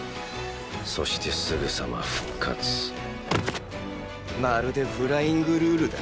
そしてすぐさま復活まるでフライングルールだ。